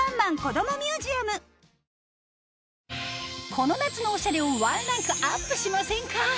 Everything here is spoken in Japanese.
この夏のオシャレをワンランクアップしませんか？